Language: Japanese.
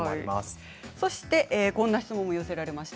こんな質問も寄せられました。